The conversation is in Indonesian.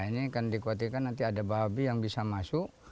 ini akan dikhawatirkan nanti ada bahabi yang bisa masuk